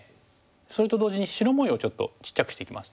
それと同時に白模様ちょっとちっちゃくしていきます。